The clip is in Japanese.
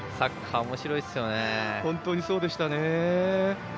本当にそうでしたね。